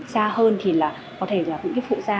xa hơn thì có thể là những phụ ra